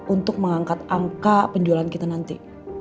untuk mengangkat angka penjualan kita nanti